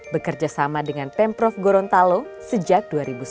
bekerja sama dengan pemprov gorontalo sejak dua ribu sembilan belas